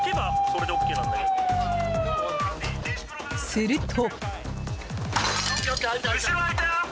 すると。